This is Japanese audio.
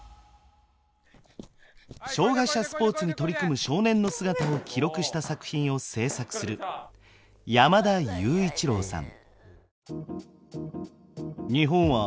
障害者スポーツに取り組む少年の姿を記録した作品を制作する山田裕一郎さん。